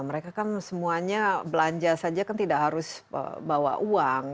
mereka kan semuanya belanja saja kan tidak harus bawa uang